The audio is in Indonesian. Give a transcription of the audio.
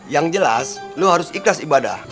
yang jelas lo harus ikhlas ibadah